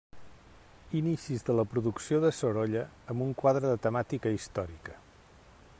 Inicis de la producció de Sorolla amb un quadre de temàtica històrica.